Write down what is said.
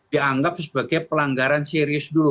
dianggap sebagai pelanggaran serius dulu